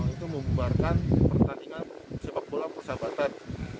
itu membuarkan pertandingan sepak bola persahabatan